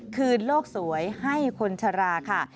คือลวกสวยให้คนธราค่ะ